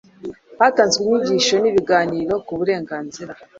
hatanzwe inyigisho n' ibiganiro ku burengazira